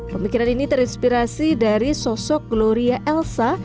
pemikiran ini terinspirasi dari sosok gloria elsa